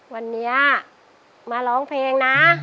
วันนี้มาร้องเพลงนะ